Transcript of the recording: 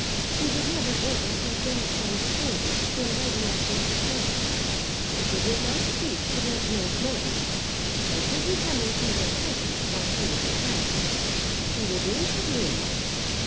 She would never enter her grandson's chambers when Lady Ushant was there. She would not speak to Reginald Morton, and should he come into her presence while she was at Bragton she would leave the room.